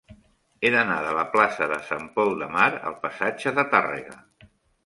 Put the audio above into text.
He d'anar de la plaça de Sant Pol de Mar al passatge de Tàrrega.